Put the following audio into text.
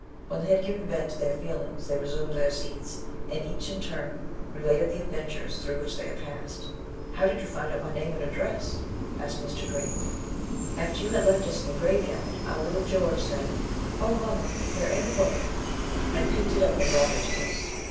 When they had given vent to their feelings, they resumed their seats, and each in turn related the adventures through which they had passed. "How did you find out my name and address?" asked Mr. Green. "After you had left us in the grave yard, our little George said, 'O, mamma, if there aint a book!' and picked it up and brought it to us.